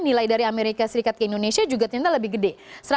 nilai dari amerika serikat ke indonesia juga ternyata lebih gede